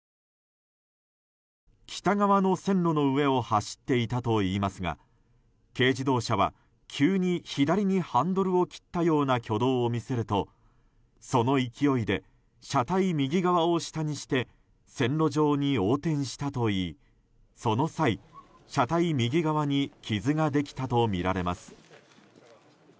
北側の線路の上を走っていたといいますが軽自動車は急に左にハンドルを切ったような挙動を見せるとその勢いで車体右側を下にして線路上に横転したといいその際、車体右側に傷ができたとみられます。